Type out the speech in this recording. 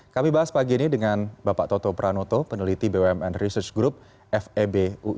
kami bahas pagi ini dengan bapak toto pranoto peneliti bumn research group febu